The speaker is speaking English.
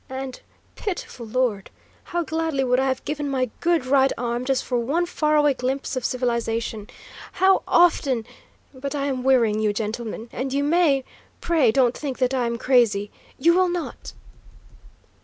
And pitiful Lord! How gladly would I have given my good right arm, just for one faraway glimpse of civilisation! How often but I am wearying you, gentlemen, and you may pray don't think that I am crazy; you will not?"